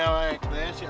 nih si alek